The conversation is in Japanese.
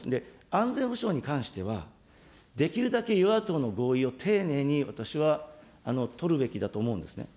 安全保障に関しては、できるだけ与野党の合意を丁寧に、私は取るべきだと思うんですね。